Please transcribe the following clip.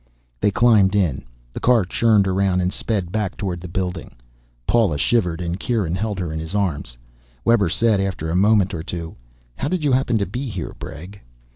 They climbed in. The car churned around and sped back toward the building. Paula shivered, and Kieran held her in his arms. Webber said after a moment or two, "How did you happen to be here, Bregg?"